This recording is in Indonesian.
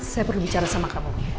saya perlu bicara sama kapolri